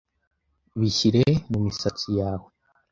Bishyire mu misatsi yawe